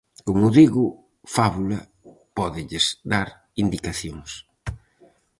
Como digo, "Fábula" pódelles dar indicacións.